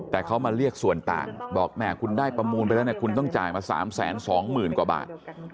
แต่เขามาเรียกส่วนต่างบอกแม่คุณได้ประมูลไปแล้วคุณต้องจ่ายมา๓๒๐๐๐กว่าบาท